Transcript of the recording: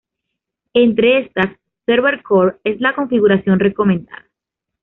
Entre estas, "Server Core" es la configuración recomendada.